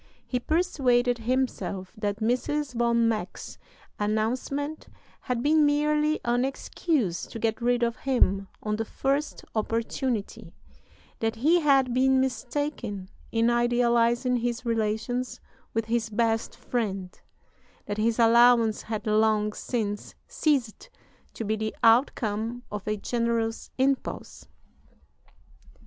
He persuaded himself that Mrs. von Meck's announcement had been merely "an excuse to get rid of him on the first opportunity"; that he had been mistaken in idealizing his relations with his "best friend"; that his allowance had long since ceased to be the outcome of a generous impulse.